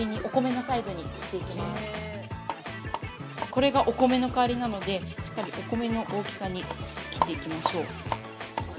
これがお米の代わりなので、しっかりお米の大きさに切っていきましょう。